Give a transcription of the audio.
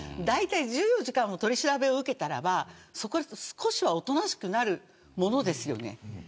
だいたい、１４時間も取り調べを受けたらば少しはおとなしくなるものですよね。